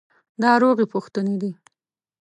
دا روغې پوښتنې دي.